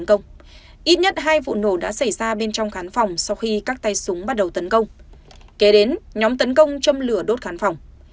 kế đến nhóm tấn công châm lửa đốt khán phòng